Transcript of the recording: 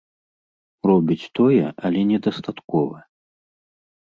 Робіць тое, але недастаткова.